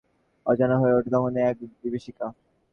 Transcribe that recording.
চিরকালের জানা যখন এক মুহূর্তে অজানা হয়ে ওঠে তখন সে এক বিভীষিকা।